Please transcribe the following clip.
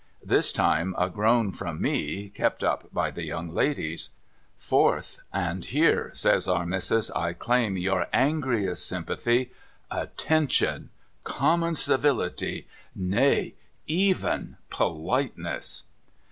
This time a groan from me, kep' up by the young ladies. ' Fourth :— and here,' says Our Missis, ' I claim your angriest sympathy, — attention, common civility, nay, even politeness